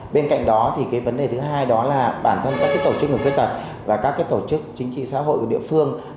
bên cạnh đó thì cái vấn đề thứ hai đó là bản thân các tổ chức người khuyết tật và các tổ chức chính trị xã hội của địa phương